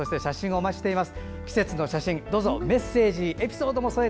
お待ちしております。